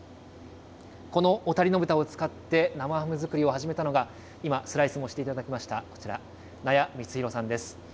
この小谷野豚を使って生ハム作りを始めたのが、今スライスもしていただきました、こちら、那谷充啓さんです。